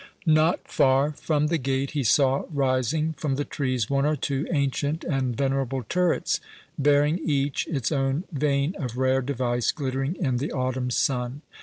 Not far from the gate, he saw rising from the trees one or two ancient and venerable turrets, bearing each its own vane of rare device glittering in the autumn sun.